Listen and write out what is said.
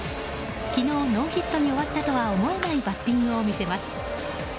昨日ノーヒットに終わったとは思えないバッティングを見せます。